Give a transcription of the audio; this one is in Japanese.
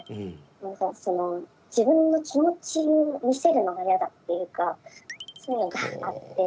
何かその自分の気持ちを見せるのが嫌だっていうかそういうのがあって。